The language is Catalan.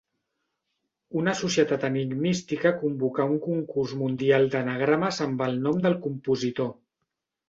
Una societat enigmística convocà un concurs mundial d'anagrames amb el nom del compositor.